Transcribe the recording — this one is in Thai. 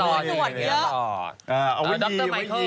เออนี่หล่อดีเอาวินด์ยีเอาวินด์ยี